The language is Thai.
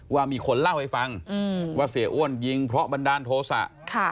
ว่ามีคนเล่าให้ฟังว่าเสียอ้วนยิงเพราะบันดาลโทษะ